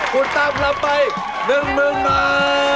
คุณทำรับไป๑นึงนึงมา